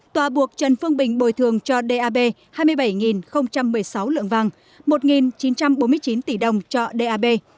tòa buộc trần phương bình bồi thường cho dap hai mươi bảy một mươi sáu lượng vàng một chín trăm bốn mươi chín tỷ đồng cho dap